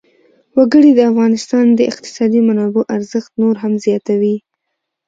وګړي د افغانستان د اقتصادي منابعو ارزښت نور هم زیاتوي.